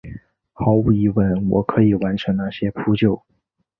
毫无疑问我可以完成那些扑救！